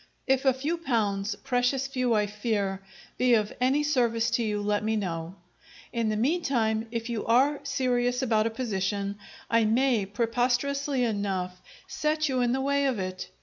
If a few pounds (precious few, I fear!) be of any service to you, let me know. In the mean time, if you are serious about a position, I may, preposterously enough, set you in the way of it.